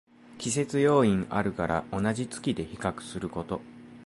季節要因あるから同じ月で比較すること